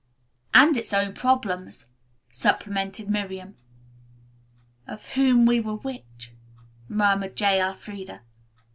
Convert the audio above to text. "And its own problems," supplemented Miriam. "Of whom we were which," murmured J. Elfreda.